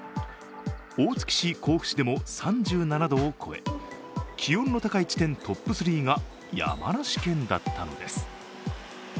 大月市、甲府市でも３７度を超え気温の高い地点トップ３が山梨県だったのです。